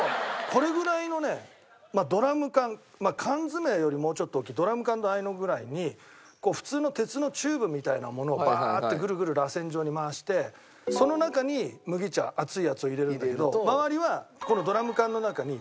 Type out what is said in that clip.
これぐらいのねまあドラム缶缶詰よりもうちょっと大きいドラム缶大のぐらいにこう普通の鉄のチューブみたいなものをバーッてぐるぐるらせん状に回してその中に麦茶熱いやつを入れるんだけど周りはこのドラム缶の中に水を入れておくわけ。